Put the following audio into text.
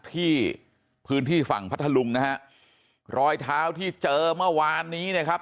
ที่พื้นที่ฝั่งพัทธลุงนะฮะรอยเท้าที่เจอเมื่อวานนี้นะครับ